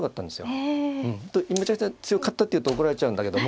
本当にむちゃくちゃ強かったって言うと怒られちゃうんだけども。